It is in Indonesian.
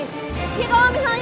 eh kalau misalnya